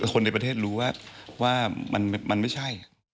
คนในประเทศรู้ว่ามันไม่ใช่